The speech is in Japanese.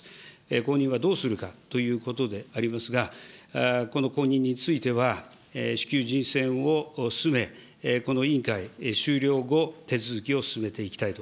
後任はどうするかということでありますが、この後任については、至急人選を進め、この委員会終了後、手続きを進めていきたいと